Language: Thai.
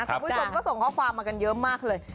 คุณผู้ชมก็ส่งข้อความมากันเยอะมากเลย